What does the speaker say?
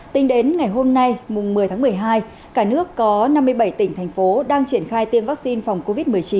tính đến ngày hôm nay mùng một mươi tháng một mươi hai cả nước có năm mươi bảy tỉnh thành phố đang triển khai tiêm vaccine phòng covid một mươi chín